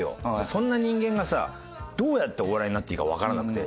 そんな人間がさどうやってお笑いになっていいかわからなくて。